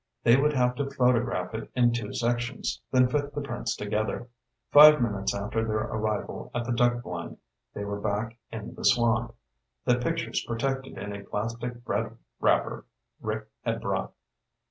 They would have to photograph it in two sections, then fit the prints together. Five minutes after their arrival at the duck blind, they were back in the swamp, the pictures protected in a plastic bread wrapper Rick had brought.